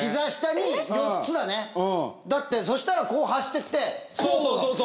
だってそしたらこう走ってってこう。